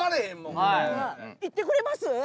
行ってくれます？